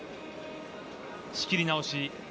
仕切り直し。